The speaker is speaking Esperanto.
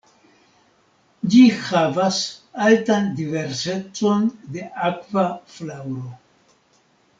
Ĝi havas altan diversecon de akva flaŭro.